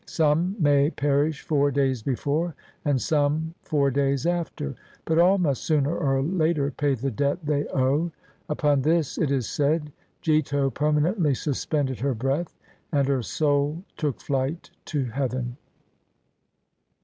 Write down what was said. Some may perish four days before and some four days after ; but all must sooner or later pay the debt they owe.' Upon this, it is said, Jito permanently suspended her breath, and her soul took flight to heaven.